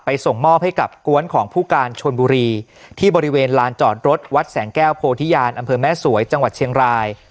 ส่งมอบให้กับกวนของผู้การชนบุรีที่บริเวณลานจอดรถวัดแสงแก้วโพธิญาณอำเภอแม่สวยจังหวัดเชียงราย